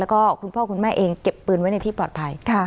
แล้วก็คุณพ่อคุณแม่เองเก็บปืนไว้ในที่ปลอดภัย